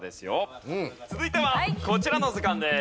続いてはこちらの図鑑です。